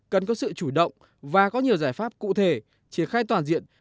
cần có sự chủ động và có nhiều giải pháp cụ thể triển khai toàn diện